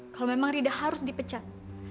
kalau memang rida harus dipecat